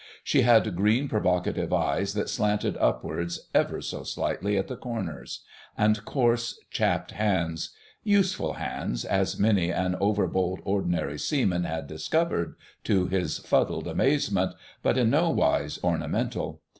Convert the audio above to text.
She had green, provocative eyes that slanted upwards ever so slightly at the corners, and coarse, chapped hands—useful hands, as many an overbold Ordinary Seaman had discovered to his fuddled amazement, but in no wise ornamental.